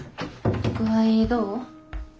具合どう？